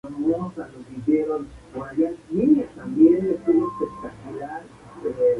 Los problemas de Dawn van empeorando en el aniversario de sus padres.